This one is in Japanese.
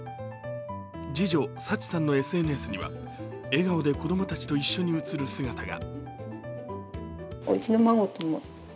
次女・抄知さんのＳＮＳには笑顔で子供たちと一緒に写る姿が。